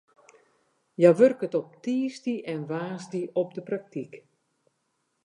Hja wurket op tiisdei en woansdei op de praktyk.